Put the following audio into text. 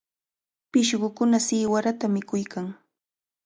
Pishqukuna siwarata mikuykan.